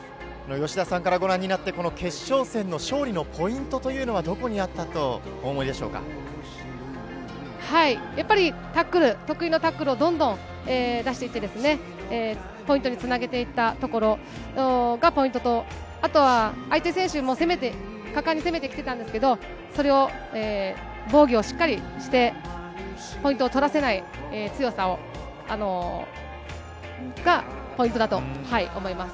吉田さんからご覧になって、この決勝戦の勝利のポイントというのは、やっぱりタックル、得意のタックルをどんどん出していって、ポイントにつなげていったところがポイントと、あとは相手選手も攻めて、果敢に攻めてきてたんですけれども、それを防御をしっかりして、ポイントを取らせない強さがポイントだと思います。